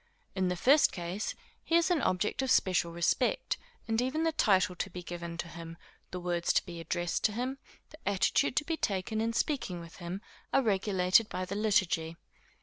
In the first case, he is an object of special respect; and even the title to be given him, the words to be addressed to him, the attitude to be taken in speaking to him, are regulated by the liturgy.